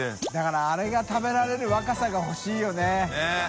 世あれが食べられる若さがほしいよね。